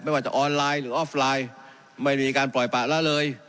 ว่าจะออนไลน์หรือออฟไลน์ไม่มีการปล่อยปะละเลย